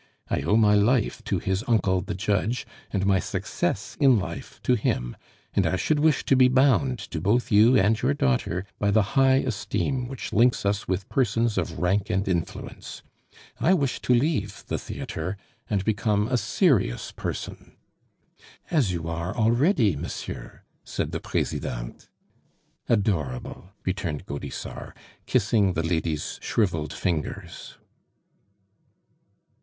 I owe my life to his uncle the judge, and my success in life to him; and I should wish to be bound to both you and your daughter by the high esteem which links us with persons of rank and influence. I wish to leave the theatre and become a serious person." "As you are already, monsieur!" said the Presidente. "Adorable!" returned Gaudissart, kissing the lady's shriveled fingers.